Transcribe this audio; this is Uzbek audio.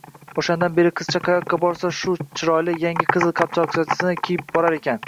Oʻshandan beri qizcha qayoqqa borsa, shu chiroyli, yangi qizil qalpoqchasini kiyib borar ekan